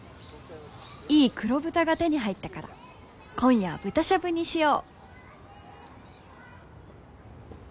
「いい黒豚が手に入ったから今夜は豚しゃぶにしよう！」